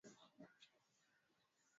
ziara hiyo inalenga kuongeza masoko ya nje